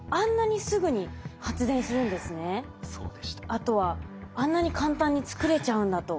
あとはあんなに簡単に作れちゃうんだと。